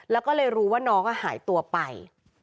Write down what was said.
แล้วก็เลยรู้ว่าน้องหายตัวไป